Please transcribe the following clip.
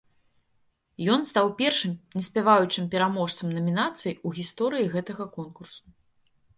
Ён стаў першым неспяваючым пераможцам намінацыі ў гісторыі гэтага конкурсу.